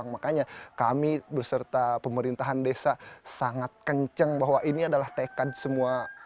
makanya kami berserta pemerintahan desa sangat kenceng bahwa ini adalah tekad semua